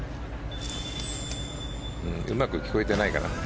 うまく聞こえてないかな。